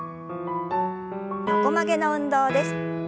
横曲げの運動です。